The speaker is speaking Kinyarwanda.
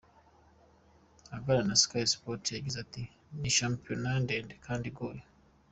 Aganira na Sky Sports, yagize ati “ Ni shampiyona ndende kandi igoye.